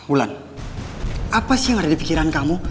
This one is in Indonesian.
wulan apa sih yang ada di pikiran kamu